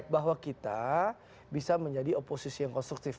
bahwa kita bisa menjadi oposisi yang konstruktif